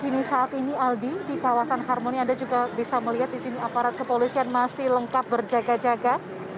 kini saat ini aldi di kawasan harmoni anda juga bisa melihat di sini aparat kepolisian masih lengkap berjaga jaga